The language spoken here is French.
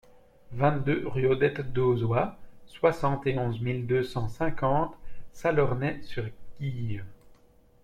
vingt-deux rue Odette Dauxois, soixante et onze mille deux cent cinquante Salornay-sur-Guye